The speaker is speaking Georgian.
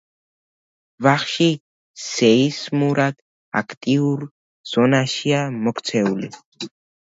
ვახში სეისმურად აქტიურ ზონაშია მოქცეული.